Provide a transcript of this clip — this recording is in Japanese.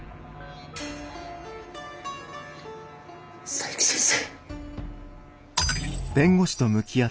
佐伯先生。